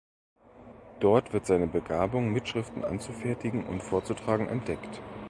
Dort wird seine Begabung, Mitschriften anzufertigen und vorzutragen entdeckt.